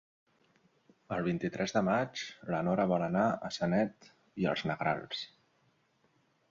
El vint-i-tres de maig na Nora vol anar a Sanet i els Negrals.